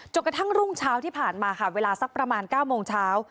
กระทั่งรุ่งเช้าที่ผ่านมาค่ะเวลาสักประมาณ๙โมงเช้า